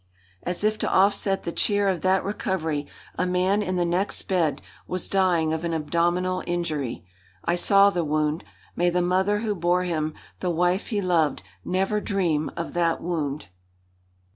As if to offset the cheer of that recovery, a man in the next bed was dying of an abdominal injury. I saw the wound. May the mother who bore him, the wife he loved, never dream of that wound!